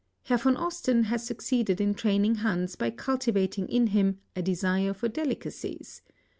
" Herr voh (Jsten has succeeded In train* ing Hans by cultivating In hiiir'a desii« for delicacies.